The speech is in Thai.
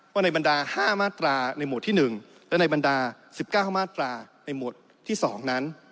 ในบรรดา๕มาตราในหมวดที่๑และในบรรดา๑๙มาตราในหมวดที่๒นั้น